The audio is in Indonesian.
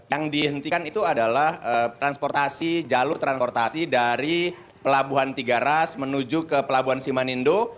yang dihentikan itu adalah transportasi jalur transportasi dari pelabuhan tiga ras menuju ke pelabuhan simanindo